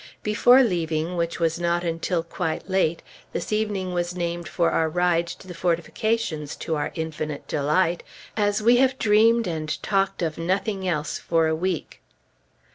Before leaving, which was not until quite late, this evening was named for our ride to the fortifications, to our infinite delight, as we have dreamed and talked of nothing else for a week....